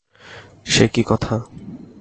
সে কী কথা!